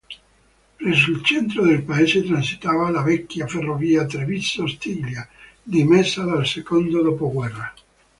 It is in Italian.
Presso il centro del paese transitava la vecchia ferrovia Treviso-Ostiglia, dismessa dal secondo dopoguerra.